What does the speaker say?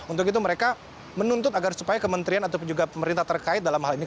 untuk itu mereka menuntut agar supaya kementerian atau juga pemerintah terkait dalam hal ini